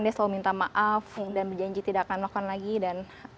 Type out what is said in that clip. dia selalu minta maaf dan berjanji tidak akan melakukan lagi dan